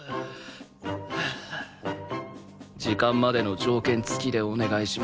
時間までの条件付きでお願いします。